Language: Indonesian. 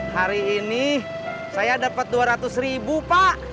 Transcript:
hari ini saya dapat dua ratus ribu pak